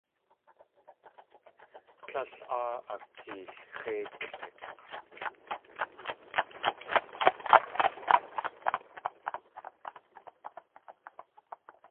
Líl áa akeelx̲éitlʼik̲!